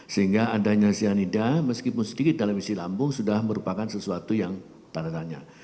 sehingga adanya cyanida meskipun sedikit dalam isi lambung sudah merupakan sesuatu yang tanda tanya